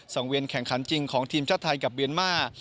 เวียนแข่งขันจริงของทีมชาติไทยกับเมียนมาร์